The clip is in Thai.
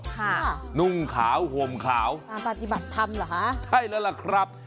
นุ่งขาวห่มขาวมาปฏิบัติธรรมเหรอคะใช่แล้วล่ะครับ